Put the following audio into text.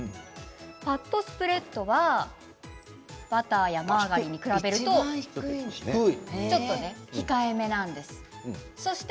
ファットスプレッドはバターやマーガリンに比べるとちょっと控えめなんですね。